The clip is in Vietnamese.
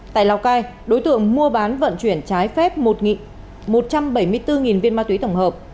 tại lào cai đối tượng mua bán vận chuyển trái phép một một trăm bảy mươi bốn viên ma túy tổng hợp